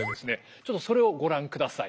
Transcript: ちょっとそれをご覧ください。